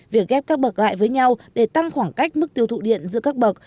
việc ghép các bậc gại với nhau để tăng khoảng cách mức tiêu thụ điện giữa các bậc